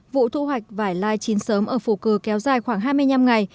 vụ thu hoạch vải lai chín sớm ở phù cử kéo dài khoảng hai mươi năm ngày